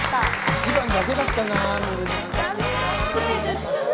１番だけだったな。